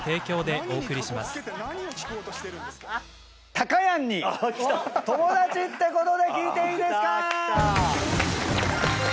たかやんに友達ってことで聞いていいですか？